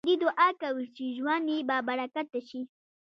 ژوندي دعا کوي چې ژوند يې بابرکته شي